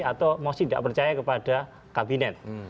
atau mesti tidak percaya kepada pemerintah